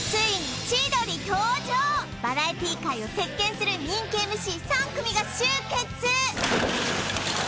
バラエティ界を席巻する人気ＭＣ３組が集結！